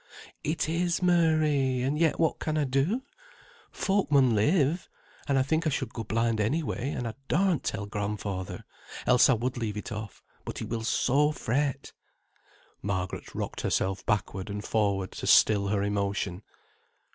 "It is, Mary! and yet what can I do? Folk mun live; and I think I should go blind any way, and I darn't tell grandfather, else I would leave it off, but he will so fret." Margaret rocked herself backward and forward to still her emotion.